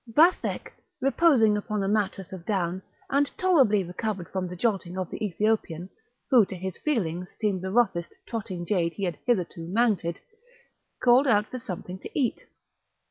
Vathek, reposing upon a mattress of down, and tolerably recovered from the jolting of the Ethiopian, who to his feelings seemed the roughest trotting jade he had hitherto mounted, called out for something to eat.